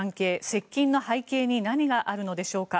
接近の背景に何があるのでしょうか。